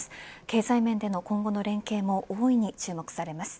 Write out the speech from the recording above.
経済面での今後の連携も大いに注目されます。